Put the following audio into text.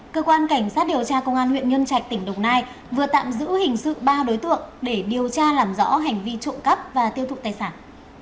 cơ quan cảnh sát điều tra công an huyện nhân trạch tỉnh đồng nai vừa tạm giữ hình sự ba đối tượng để điều tra làm rõ hành vi trộm cắp và tiêu thụ tài sản